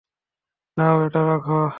নাও এটা রাখো।